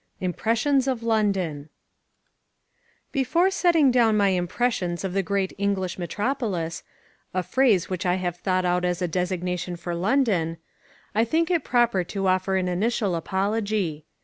Impressions of London BEFORE setting down my impressions of the great English metropolis; a phrase which I have thought out as a designation for London; I think it proper to offer an initial apology.